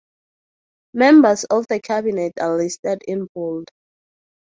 Members of the Cabinet are listed in bold.